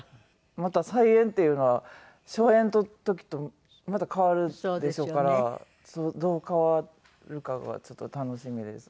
また再演っていうのは初演の時とまた変わるでしょうからどう変わるかがちょっと楽しみですね。